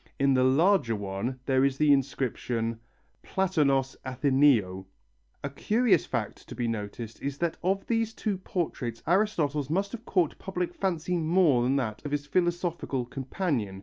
In the larger one there is the inscription: ΠΛΑΤΩΝΟΣ ΑΘΗΝΑΙΟΥ A curious fact to be noticed is that of these two portraits Aristotle's must have caught public fancy more than that of his philosophical companion.